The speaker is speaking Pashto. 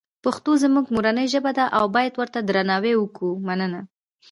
پښتوزموږمورنی ژبه ده اوبایدورته درناوی وکومننه